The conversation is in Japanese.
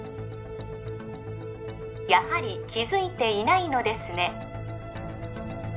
やはり気づいていないのですね